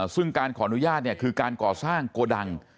ซึ่งการขออนุญาตคือการก่อสร้างโกดัง